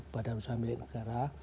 badan usaha milik negara